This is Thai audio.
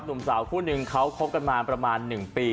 หนุ่มสาวคู่นึงเขาคบกันมาประมาณ๑ปี